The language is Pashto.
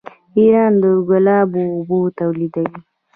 ایران د ګلابو اوبه تولیدوي.